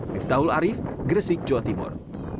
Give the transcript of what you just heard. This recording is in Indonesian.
miftahul arief gresik jawa timur